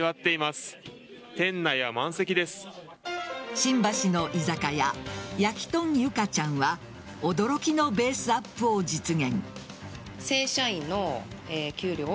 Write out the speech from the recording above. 新橋の居酒屋やきとんユカちゃんは驚きのベースアップを実現。